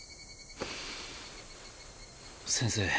先生